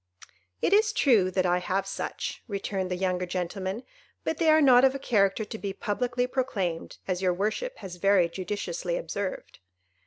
"It is true that I have such," returned the younger gentleman, "but they are not of a character to be publicly proclaimed, as your worship has very judiciously observed."